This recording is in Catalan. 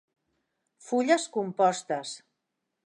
Fulles compostes.